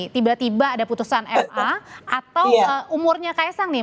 tiba tiba ada putusan ma atau umurnya kaisang nih